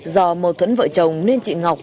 do mâu thuẫn vợ chồng nên chị ngọc